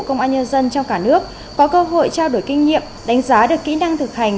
công an nhân dân trong cả nước có cơ hội trao đổi kinh nghiệm đánh giá được kỹ năng thực hành